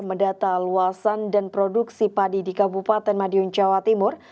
mendata luasan dan produksi padi di kabupaten madiun jawa timur